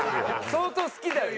相当好きだよね？